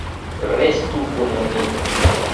Restu kun ni.